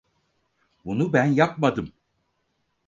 Bunu ben yapmadım!